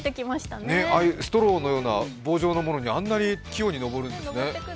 ね、ストローのような棒状のものにあんなに器用に上るんですね。